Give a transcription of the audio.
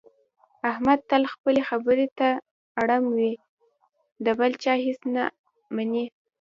احمد تل خپلې خبرې ته اړم وي، د بل چا هېڅ نه مني.